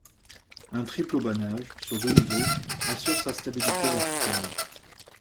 Un triple haubanage, sur deux niveaux, assure sa stabilité verticale.